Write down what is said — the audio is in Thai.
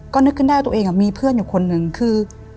ก็นึกขึ้นได้ว่าตัวเองมีเพื่อนอยู่คนนึงคือ